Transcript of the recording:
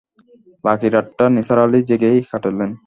বাকি রাতটা নিসার আলি জেগেই কাটালেন।